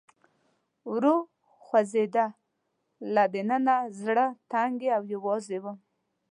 ورو خوځېده، له دننه زړه تنګی او یوازې ووم.